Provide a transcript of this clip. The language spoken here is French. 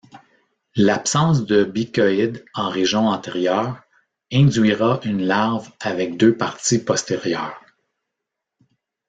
L'absence de bicoïd en région antérieure induira une larve avec deux parties postérieures.